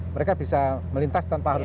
mereka bisa melintas tanpa harus